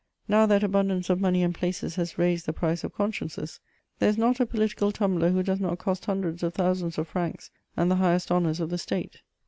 Now that abundance of money and places has raised the price of consciences, there is not a political tum bler who does not cost hundreds of thousands of francs and the highest honours of the state.